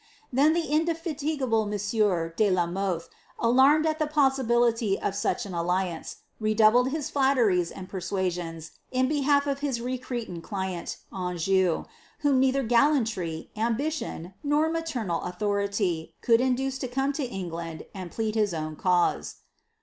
Then the indefatigable monsieur de la Mothe, alarmed at the possibility of such an alliance, redoubled his flatteries and persuasions in behalf of his recreant client, Anjou, whom neither gallantry, ambition. Dor maternal authority could induce to come to England and plead his own cause.